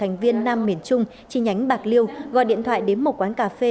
thành viên nam miền trung chi nhánh bạc liêu gọi điện thoại đến một quán cà phê